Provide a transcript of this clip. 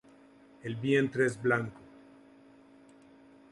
El vientre es blanco.